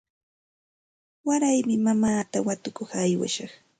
Waraymi mamaata watukuq aywashaq.